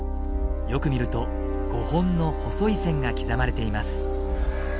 よく見ると５本の細い線が刻まれています。